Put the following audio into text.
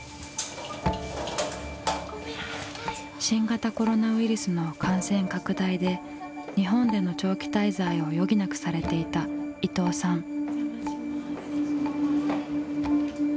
新型コロナウイルスの感染拡大で日本での長期滞在を余儀なくされていた伊藤さん。